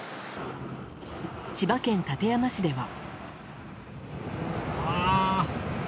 千葉県館山市では。